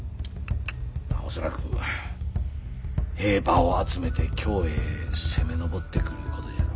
恐らく兵馬を集めて京へ攻め上ってくることじゃろ。